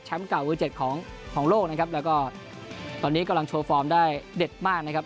เก่ามือเจ็ดของของโลกนะครับแล้วก็ตอนนี้กำลังโชว์ฟอร์มได้เด็ดมากนะครับ